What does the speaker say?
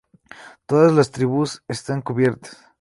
Todas las tribunas están cubiertas.